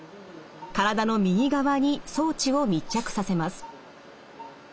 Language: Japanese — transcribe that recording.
体の右側に装置を密着させます。